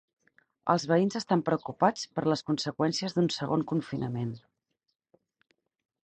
Els veïns estan preocupats per les conseqüències d'un segon confinament.